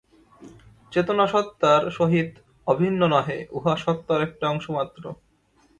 চেতনা সত্তার সহিত অভিন্ন নহে, উহা সত্তার একটি অংশ মাত্র।